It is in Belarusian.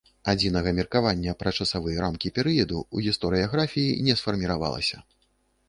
Адзінага меркавання пра часавыя рамкі перыяду ў гістарыяграфіі не сфарміравалася.